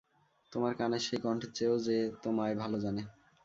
তোমার কানের সেই কণ্ঠের চেয়েও যে তোমায় ভালো জানে।